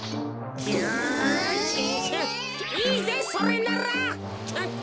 いいぜそれなら。